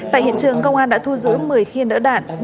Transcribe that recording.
tại hiện trường công an đã thu giữ một mươi khiên đỡ đạn